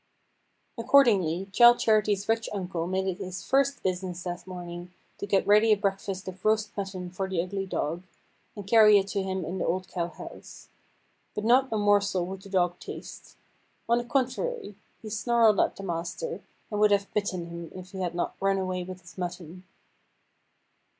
Accordingly, Childe Charity's rich uncle made it his first business that morning to get ready a breakfast of roast mutton for the ugly dog, and carry it to him in the old cow house. But not a morsel would the dog taste. On the contrary, he snarled at the master, and would have bitten him if he had not run away with his mutton.